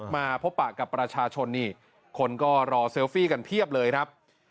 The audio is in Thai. มาพบปะกับประชาชนนี่คนก็รอเซลฟี่กันเพียบเลยครับ